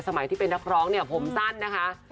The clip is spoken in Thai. สมัยที่เป็นนักร้องเนี่ยผมสั้นนะคะ